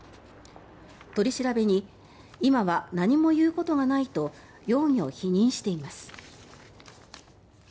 取り調べに今は何も言うことがないと容疑を否認しています。